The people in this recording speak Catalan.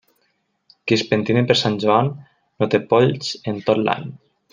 Qui es pentina per Sant Joan no té polls en tot l'any.